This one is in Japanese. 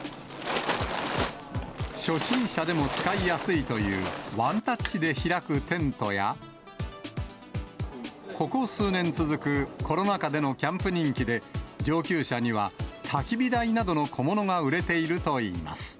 初心者でも使いやすいというワンタッチで開くテントや、ここ数年続く、コロナ禍でのキャンプ人気で、上級者には、たきび台などの小物が売れているといいます。